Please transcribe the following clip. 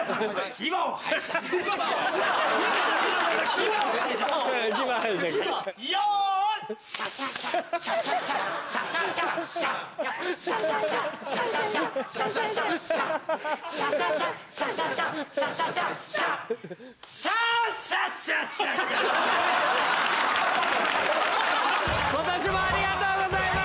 今年もありがとうございました。